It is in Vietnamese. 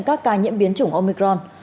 các ca nhiễm biến chủng omicron